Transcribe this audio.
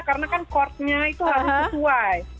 karena kan chordnya itu harus sesuai